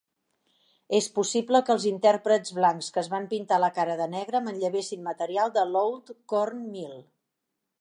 És possible que els intèrprets blancs que es van pintar la cara de negre manllevessin material de l'Old Corn Meal.